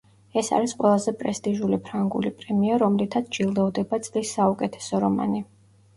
ეს არის ყველაზე პრესტიჟული ფრანგული პრემია, რომლითაც ჯილდოვდება წლის საუკეთესო რომანი.